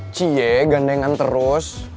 cie gandengan terus